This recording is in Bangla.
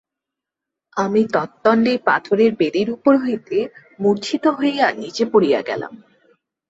আমি তদ্দণ্ডেই পাথরের বেদীর উপর হইতে মূর্ছিত হইয়া নীচে পড়িয়া গেলাম।